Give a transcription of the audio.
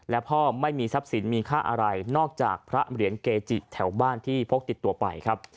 และพ่อไม่มีทรัพย์สินมีค่าอะไรนอกจากพระเหรียญเกจิแถวบ้านที่พกติดตัวไปครับ